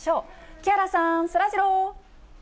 木原さん、そらジロー。